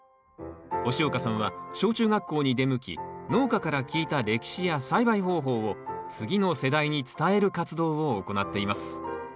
押岡さんは小中学校に出向き農家から聞いた歴史や栽培方法を次の世代に伝える活動を行っています